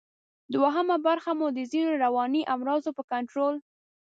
دوهمه برخه مو د ځینو رواني امراضو په کنټرول